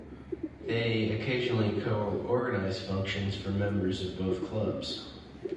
They occasionally co-organise functions for members of both clubs.